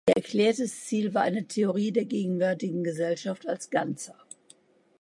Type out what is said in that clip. Ihr erklärtes Ziel war eine „Theorie der gegenwärtigen Gesellschaft als ganzer“.